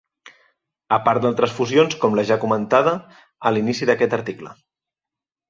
A part d'altres fusions com la ja comentada a l'inici d'aquest article.